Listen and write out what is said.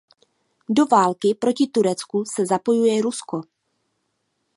Do války proti Turecku se zapojuje Rusko.